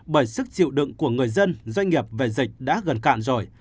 bởi sức chịu đựng của người dân doanh nghiệp về dịch đã gần cạn rồi